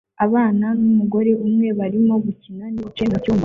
abana numugore umwe barimo gukina nibice mucyumba